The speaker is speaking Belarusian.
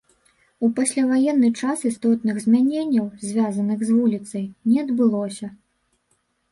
У пасляваенны час істотных змяненняў, звязаных з вуліцай, не адбылося.